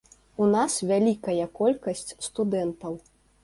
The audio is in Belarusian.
У нас вялікая колькасць студэнтаў.